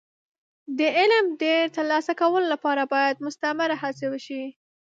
د علم د ترلاسه کولو لپاره باید مستمره هڅه وشي.